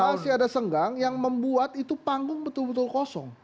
masih ada senggang yang membuat itu panggung betul betul kosong